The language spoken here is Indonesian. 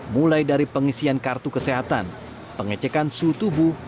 mulai dari pengisian kartu kesehatan pengecekan sutubu